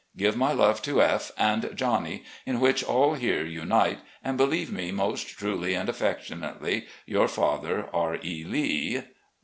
Give my love to F. and Johnny, in which all here unite, and believe me most truly and affectionately " Your father, R. E. Lee.